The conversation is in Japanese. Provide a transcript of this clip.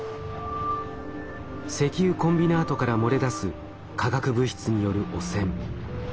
石油コンビナートから漏れ出す化学物質による汚染。